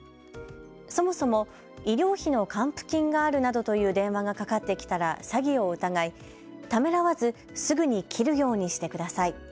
そもそも医療費の還付金があるなどという電話がかかってきたら詐欺を疑い、ためらわずすぐに切るようにしてください。